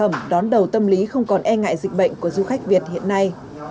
và các sản phẩm đón đầu tâm lý không còn e ngại dịch bệnh của du khách việt hiện nay